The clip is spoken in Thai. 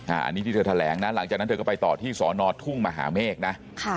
อันนี้ที่เธอแถลงนะหลังจากนั้นเธอก็ไปต่อที่สอนอทุ่งมหาเมฆนะ